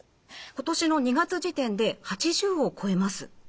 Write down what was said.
今年の２月時点で８０を超えます。